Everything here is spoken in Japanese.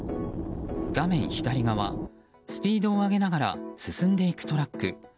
画面左側、スピードを上げながら進んでいくトラック。